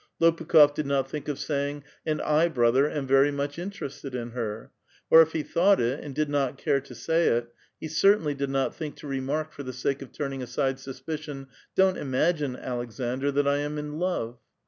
Lopukh6f did not think of saying, ^^ And I, brother, aiu very much interested in her" ; or if he thought it, and did not care to say it, he certainly did not think to remark for the sake of turning aside suspicion, ''^ Don't ima<j^inc, Aleksaiidr, that I am in love."